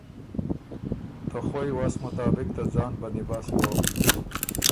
ته خوئ وست مطابق ته ځان بندیبست دوک۔